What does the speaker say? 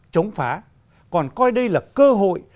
chống phá còn coi đây là cơ hội